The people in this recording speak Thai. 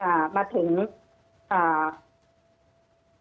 อันดับที่สุดท้าย